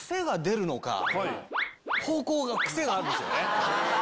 方向が癖があるんですよね。